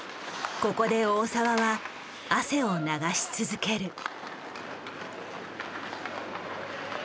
ここで大澤は汗を流し続ける。